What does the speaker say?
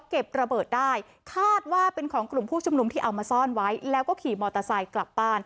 กรุงพาพเอาไว้ได้ด้วยค่ะ